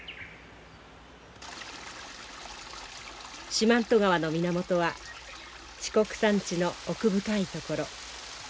四万十川の源は四国山地の奥深い所。